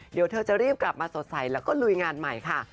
เดี๋ยวเธอจะรีบกลับมาสดใสแล้วก็ลุยงานใหม่ค่ะ